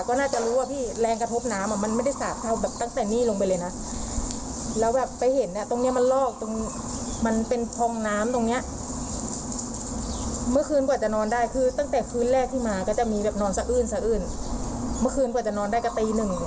ก็จะมีแบบนอนสะอื้นเมื่อคืนกว่าจะนอนได้ก็ตีหนึ่ง